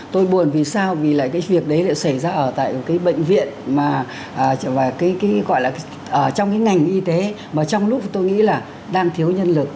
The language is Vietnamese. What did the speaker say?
tôi buồn vì sao vì là cái việc đấy lại xảy ra ở tại cái bệnh viện mà trong cái ngành y tế mà trong lúc tôi nghĩ là đang thiếu nhân lực